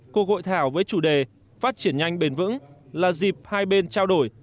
cuộc hội thảo với chủ đề phát triển nhanh bền vững là dịp hai bên trao đổi